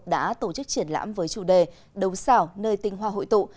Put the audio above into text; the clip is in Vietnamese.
đã tổ chức triển lãm với chủ đề đấu xảo nơi tinh hoa hội tụ